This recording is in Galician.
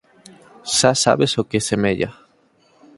Xa sabes o que semella...